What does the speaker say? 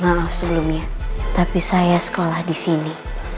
maaf sebelumnya tapi saya sekolah disini